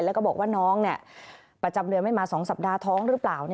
แล้วก็บอกว่าน้องประจำเดือนไม่มา๒สัปดาห์ท้องหรือเปล่า